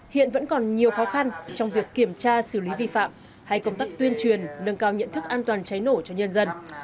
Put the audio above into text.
hiện vẫn còn nhiều khó khăn trong việc kiểm tra xử lý vi phạm hay công tác tuyên truyền nâng cao nhận thức an toàn cháy nổ cho nhân dân